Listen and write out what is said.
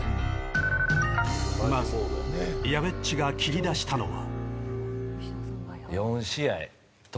まず、やべっちが切り出したのは。